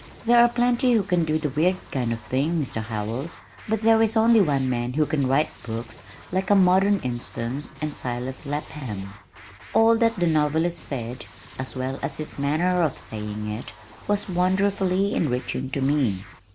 "There are plenty who can do the weird kind of thing, Mr. Howells, but there is only one man who can write books like A Modern Instance and Silas Lapham." All that the novelist said, as well as his manner of saying it was wonderfully enriching to me.